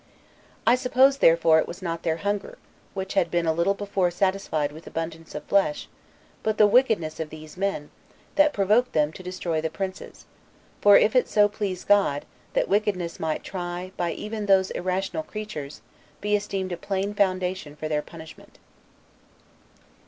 I suppose therefore it was not their hunger, which had been a little before satisfied with abundance of flesh, but the wickedness of these men, that provoked them [to destroy the princes]; for if it so please God, that wickedness might, by even those irrational creatures, be esteemed a plain foundation for their punishment.